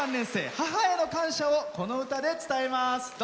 母への感謝をこの歌で伝えます。